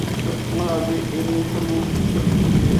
Nglobe enu hunu.